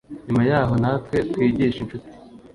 nyuma yaho natwe twigishe inshuti